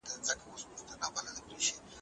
واکسن د ماشومانو لپاره نه دی.